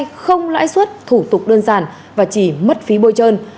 gói vai không lãi suất thủ tục đơn giản và chỉ mất phí bôi trơn